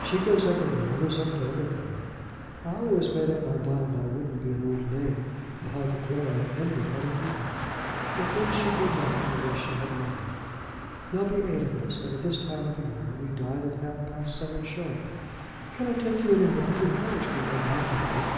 She goes everywhere, and is up to everything. I always made up my mind I wouldn't be an old maid, but I declare I envy Hetta Houghton. But then she'd be nothing unless she had money. There'll be eight of us, and at this time of the year we dine at half past seven, sharp. Can I take you anywhere? The carriage can come back with you?"